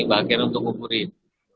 bahagian untuk nguburin